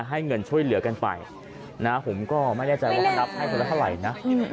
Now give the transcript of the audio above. ให้เงินช่วยเหลือกันไปนะผมก็ไม่แน่ใจว่าเขานับให้คนละเท่าไหร่นะ